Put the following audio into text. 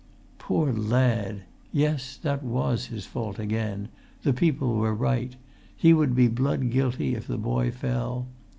Poor lad! Yes, that was his fault again; the people were right; he would be blood guilty if the boy fell.